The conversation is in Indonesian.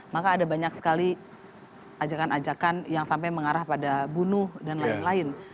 maka ada banyak sekali ajakan ajakan yang sampai mengarah pada bunuh dan lain lain